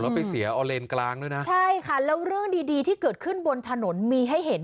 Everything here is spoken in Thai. แล้วไปเสียเอาเลนกลางด้วยนะใช่ค่ะแล้วเรื่องดีดีที่เกิดขึ้นบนถนนมีให้เห็น